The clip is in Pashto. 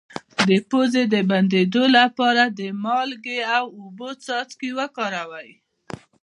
د پوزې د بندیدو لپاره د مالګې او اوبو څاڅکي وکاروئ